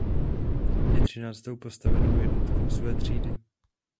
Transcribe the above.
Je třináctou postavenou jednotkou své třídy.